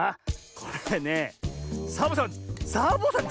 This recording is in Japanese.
これねサボさんサボさん